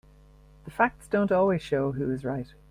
The facts don't always show who is right.